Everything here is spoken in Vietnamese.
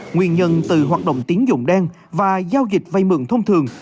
nguyên nhân từ hoạt động tiến dụng đen và giao dịch vay mượn thông thường